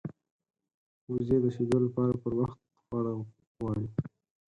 وزې د شیدو لپاره پر وخت خواړه غواړي